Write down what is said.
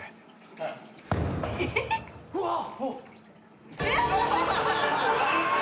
うわっ！